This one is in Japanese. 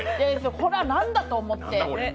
これは何だ！と思って。